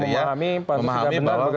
memahami pansus tidak benar bekerjanya